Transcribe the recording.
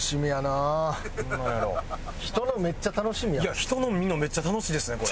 いや人の見るのめっちゃ楽しいですねこれ。